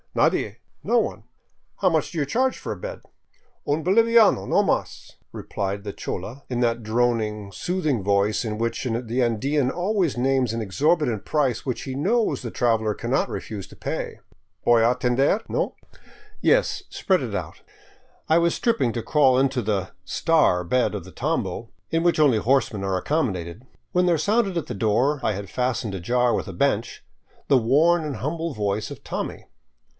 " Nadie." " No one ? How much do you charge for a bed ?"" Un boliviano, no mas," replied the chola in that droning, soothing voice in which the Andean always names an exorbitant price which he knows the traveler cannot refuse to pay. " Voy a tender, no ?" 524. ON FOOT ACROSS TROPICAL BOLIVIA " Yes, spread it out." I was stripping to crawl into the " star '* bed of the tambo — in which only horsemen are accommodated — when there sounded at the door I had fastened ajar with a bench, the worn and humble voice of Tommy.